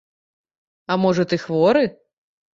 А можа, ты хворы?